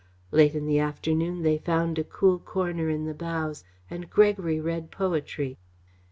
Late in the afternoon they found a cool corner in the bows, and Gregory read poetry.